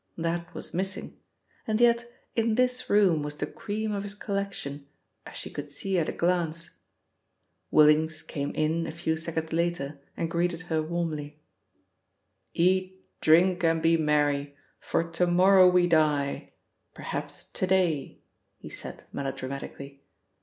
That was missing, and yet in this room was the cream of his collection, as she could see at a glance. Willings came in a few seconds later, and greeted her warmly. "Eat, drink, and be merry, for to morrow we die; perhaps to day," he said melodramatically.